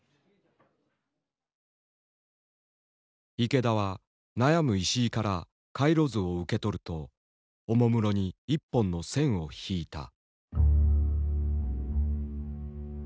池田は悩む石井から回路図を受け取るとおもむろに１本の線を引いた。